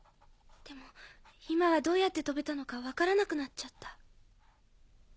でも今はどうやって飛べたのか分からなくなっちゃった。